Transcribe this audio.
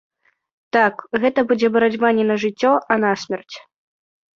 Так, гэта будзе барацьба не на жыццё а на смерць.